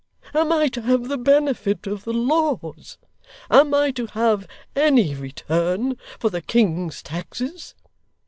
Am I to have the benefit of the laws? Am I to have any return for the King's taxes?